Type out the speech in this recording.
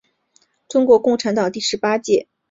中国共产党第十八届中央委员会候补委员。